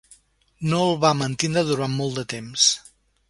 No el va mantindre durant molt de temps.